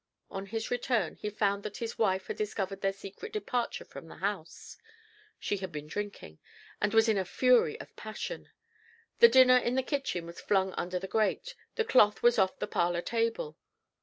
On his return he found that his wife had discovered their secret departure from the house. She had been drinking, and was in a fury of passion. The dinner in the kitchen was flung under the grate; the cloth was off the parlor table.